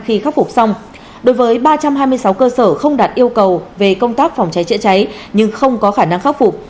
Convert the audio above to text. khi khắc phục xong đối với ba trăm hai mươi sáu cơ sở không đạt yêu cầu về công tác phòng cháy chữa cháy nhưng không có khả năng khắc phục